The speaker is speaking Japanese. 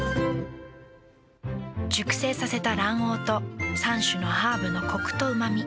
熟成させた卵黄と３種のハーブのコクとうま味。